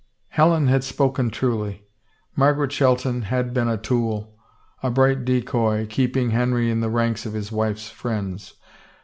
Helen had spoken truly. Margaret Shelton had been a tool, a bright decoy, keeping Henry in the ranks of his wife's friends.